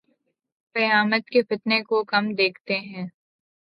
قیامت کے فتنے کو، کم دیکھتے ہیں